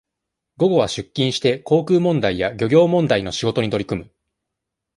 午後は出勤して、航空問題や、漁業問題の仕事に取り組む。